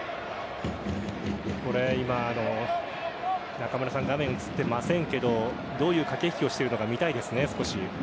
今、画面に映っていませんがどういう駆け引きをしているのか見たいですね、少し。